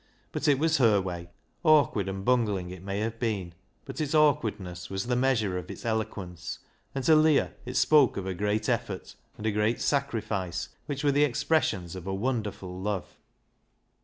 But it was her way. Awkward and bungling it may have been, but its awkwardness was the measure of its eloquence, and to Leah it spoke of a great effort, and a great sacrifice, which were the expressions of a wonderful love.